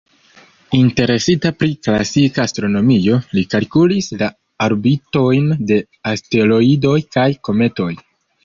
Interesita pri klasika astronomio, li kalkulis la orbitojn de asteroidoj kaj kometoj.